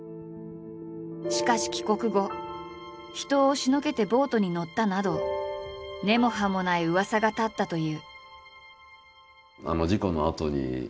しかし帰国後「人を押しのけてボートに乗った」など根も葉もないうわさが立ったという。